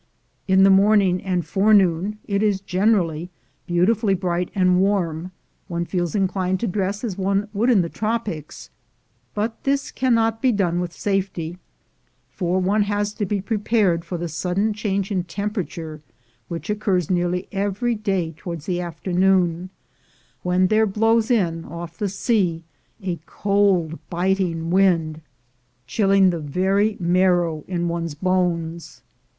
In the morning and forenoon it is generally beautifully bright and warm: one feels inclined to dress as one would in the tropics; but this cannot be done with safety, for one has to be prepared for the sudden change in temperature which occurs nearly every day towards the afternoon, when there blows in off the sea a cold biting wind, chilling the very marrow in 270 THE GOLD HUNTERS one's bones.